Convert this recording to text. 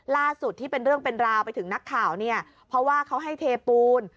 ล่าสุดที่เป็นเรื่องเป็นราวไปถึงนักข่าวเนี่ยเพราะว่าเขาให้เทปูน